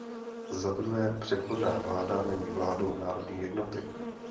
Zadruhé, přechodná vláda není vládou národní jednoty.